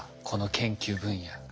この研究分野。